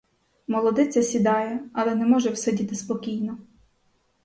Молодиця сідає, але не може всидіти спокійно.